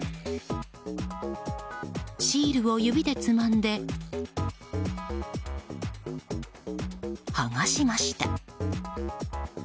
シールを指でつまんで剥がしました。